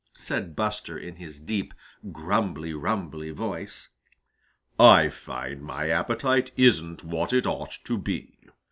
said Buster in his deep, grumbly rumbly voice. "I find my appetite isn't what it ought to be.